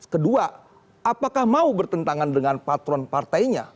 kedua apakah mau bertentangan dengan patron partainya